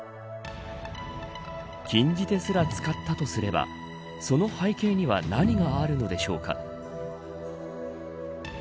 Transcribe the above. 禁じ手ですら使ったとすればその背景には何があるのでしょうか。